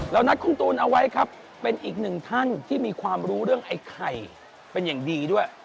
นัดคุณตูนเอาไว้ครับเป็นอีกหนึ่งท่านที่มีความรู้เรื่องไอ้ไข่เป็นอย่างดีด้วย